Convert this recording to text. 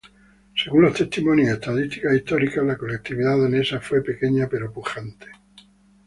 Según los testimonios y estadísticas históricas, la colectividad danesa fue pequeña pero pujante.